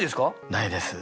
ないです。